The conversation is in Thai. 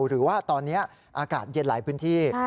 หรือว่าตอนนี้อากาศเย็นหลายพื้นที่